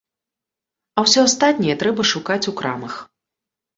А ўсё астатняе трэба шукаць у крамах.